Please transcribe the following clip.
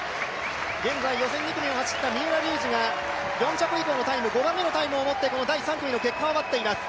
現在予選２組を走った三浦龍司が４着以降のタイム５番目のタイムを持ってこの第３組の結果を待っています。